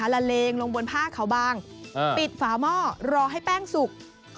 ละเลงลงบนผ้าเขาบางปิดฝาหม้อรอให้แป้งสุก